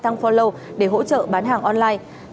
tăng follow để hỗ trợ bán hàng online